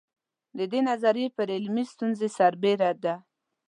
د دې نظریې پر علمي ستونزې سربېره ده.